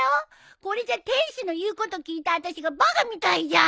これじゃ天使の言うこと聞いたあたしがバカみたいじゃん！